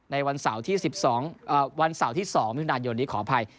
ในวันเสาร์ที่สิบสองวันเสาร์ที่สองนานโยนดีขออภัย